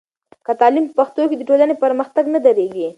که تعلیم په پښتو کېږي، د ټولنې پرمختګ نه درېږي.